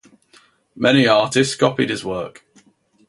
Many artists copied his work.